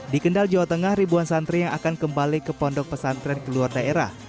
di kendal jawa tengah ribuan santri yang akan kembali ke pondok pesantren keluar daerah